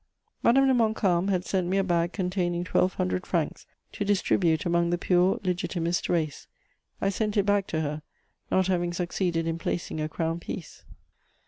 Madame de Montcalm had sent me a bag containing twelve hundred francs to distribute among the pure Legitimist race: I sent it back to her, not having succeeded in placing a crown piece.